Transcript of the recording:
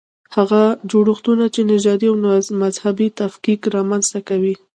هغه جوړښتونه چې نژادي او مذهبي تفکیک رامنځته کوي.